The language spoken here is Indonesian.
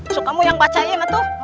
so kamu yang bacain atuh